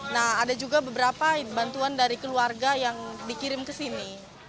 nah ada juga beberapa bantuan dari keluarga yang dikirim ke sini